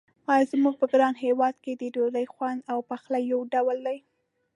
آیا زموږ په ګران هېواد کې د ډوډۍ خوند او پخلی یو ډول دی.